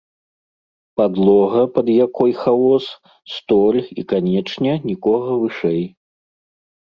Падлога, пад якой хаос, столь і, канечне, нікога вышэй.